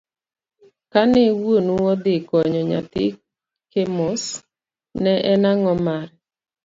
Kane wuonu odhi konyo nyathi Chemos, ne en ango' mare?